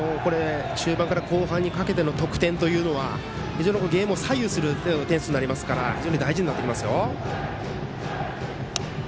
中盤から後半にかけての得点というのはゲームを左右する点数になりますから大事になってきますよ。